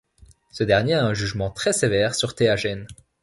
Ce dernier a un jugement très sévère sur Théagène.